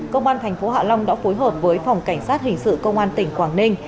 công an thành phố hạ long đã phối hợp với phòng cảnh sát hình sự công an tỉnh quảng ninh